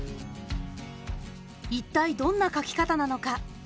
一体どんな描き方なのか。